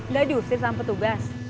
gak diusir sama petugas